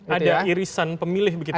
ada irisan pemilih begitu ya